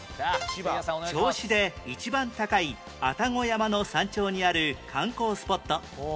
銚子で一番高い愛宕山の山頂にある観光スポット